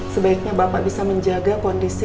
sebaiknya bapak bisa menjaga kondisi